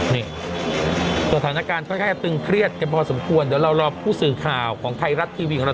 นี่สถานการณ์ค่อนข้างจะตึงเครียดกันพอสมควรเดี๋ยวเรารอผู้สื่อข่าวของไทยรัฐทีวีของเรา